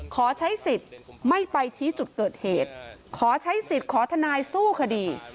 ขอใช้สิทธิ์ไม่ไปชี้จุดเกิดเหตุขอใช้สิทธิ์ขอทนายสู้คดี